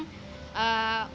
sudah habis berobat